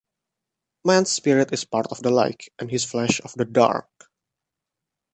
Man's spirit is part of the light, and his flesh of the dark.